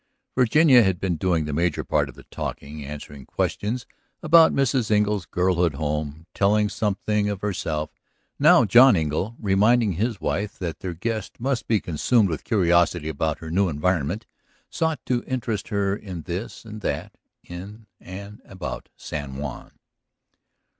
Virginia had been doing the major part of the talking, answering questions about Mrs. Engle's girlhood home, telling something of herself. Now John Engle, reminding his wife that their guest must be consumed with curiosity about her new environment, sought to interest her in this and that, in and about San Juan.